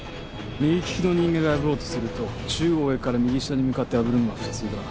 右利きの人間が破ろうとすると中央上から右下に向かって破るのが普通だ。